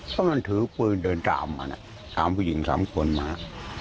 เพราะมันถือปืนเดินตามมาน่ะสามผู้หญิงสามคนมา